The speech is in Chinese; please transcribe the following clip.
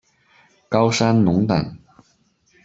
高山龙胆